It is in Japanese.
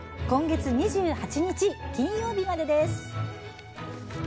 今月２８日、金曜日までです。